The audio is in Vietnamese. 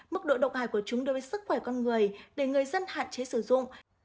mức độ độc hại của chúng đối với sức khỏe con người để người dân hạn chế sử dụng